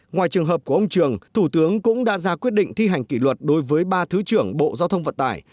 ngoài trường hợp của ông trường thủ tướng cũng đã ra quyết định thi hành kỷ luật đối với ba thứ trưởng bộ giao thông vận tải